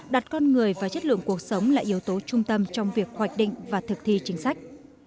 đặt con người và chất lượng cuộc sống là yếu tố trung tâm trong việc hoạch định và thực thi chính sách